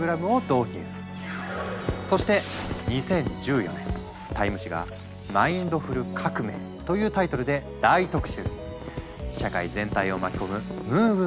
そして２０１４年「ＴＩＭＥ」誌が「マインドフル革命」というタイトルで大特集！